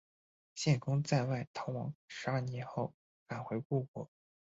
献公在外逃亡十二年后返回故国。